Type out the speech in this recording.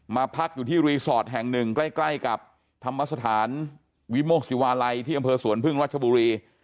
มาพักอยู่ที่รีสอร์ทแห่งหนึ่งใกล้กับธรรมสถานวิโมกศิวาลัยที่อำเภอสวนพึ่งรัชบุรี